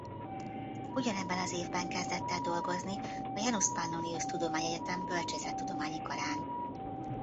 Ugyanebben az évben kezdett el dolgozni a Janus Pannonius Tudományegyetem Bölcsészettudományi Karán.